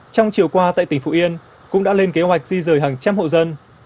trong chiều qua tại tỉnh phú yên cũng đã lên kế hoạch di rời hàng trăm hộ dân